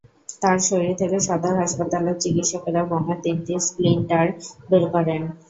তাঁর শরীর থেকে সদর হাসপাতালের চিকিৎসকেরা বোমার তিনটি স্প্লিন্টার বের করেন।